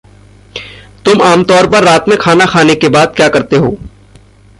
तुम आमतौर पर रात में खाना खाने के बाद क्या करते हो?